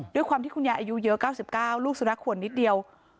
ด้วยความที่คุณยายอายุเยอะ๙๙ลูกสุนัขขวนนิดเดียว